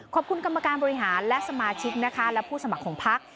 ขอบคุณกรรมการบริหารและสมาชิกนะคะและผู้สมัครของพัก